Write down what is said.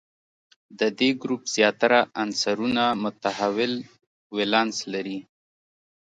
د دې ګروپ زیاتره عنصرونه متحول ولانس لري.